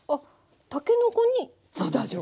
たけのこに下味を？